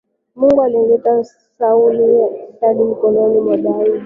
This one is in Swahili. Mungu alimleta Sauli hadi mikononi mwa Daudi.